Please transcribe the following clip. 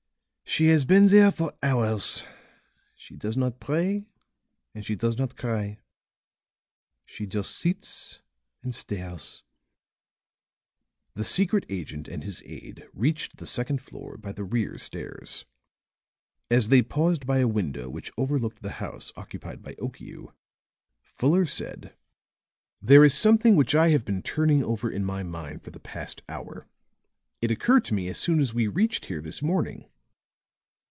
"She has been there for hours. She does not pray and she does not cry. She just sits and stares." The secret agent and his aide reached the second floor by the rear stairs; as they paused by a window which overlooked the house occupied by Okiu, Fuller said: "There is something which I have been turning over in my mind for the past hour; it occurred to me as soon as we reached here this morning.